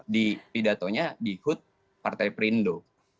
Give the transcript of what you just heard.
di pidatonya di hut partai perindo